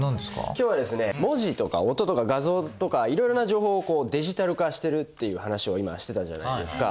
今日はですね文字とか音とか画像とかいろいろな情報をディジタル化してるっていう話を今してたじゃないですか。